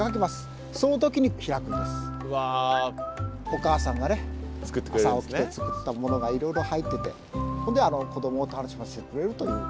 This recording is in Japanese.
お母さんが朝起きて作ったものがいろいろ入ってて子どもを楽しませてくれるという遊山箱です。